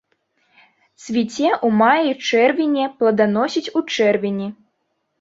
Цвіце ў маі-чэрвені, пладаносіць у чэрвені.